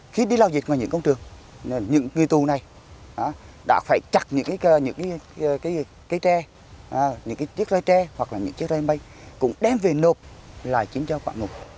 khi đi lao dịch ngoài những công trường những người tù này đã phải chặt những cái tre những chiếc rơi tre hoặc là những chiếc rơi mây cũng đem về nộp lại chiếm cho quả ngục